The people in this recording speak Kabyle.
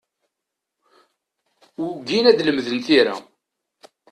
Ugin ad lemden tira.